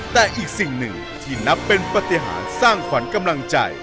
แต่อีกสิ่งหนึ่งที่นับเป็นปฏิหารสร้างขวัญกำลังใจ